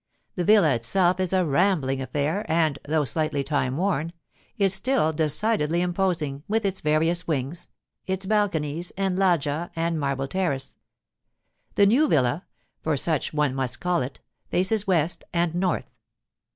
The villa itself is a rambling affair, and, though slightly time worn, is still decidedly imposing, with its various wings, its balconies and loggia and marble terrace. The new villa—for such one must call it—faces west and north.